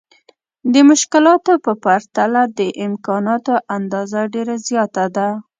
د مشکلاتو په پرتله د امکاناتو اندازه ډېره زياته ده.